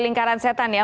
lingkaran setan ya